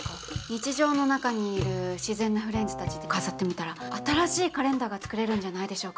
日常の中にいる自然なフレンズたちで飾ってみたら新しいカレンダーが作れるんじゃないでしょうか。